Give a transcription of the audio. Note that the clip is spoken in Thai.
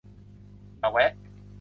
อย่าแวะ